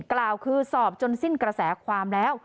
กล่าวคือสอบจนสิ้นกระแสความแล้ว